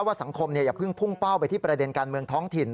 สังคมอย่าเพิ่งพุ่งเป้าไปที่ประเด็นการเมืองท้องถิ่น